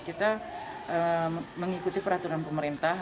kita mengikuti peraturan pemerintah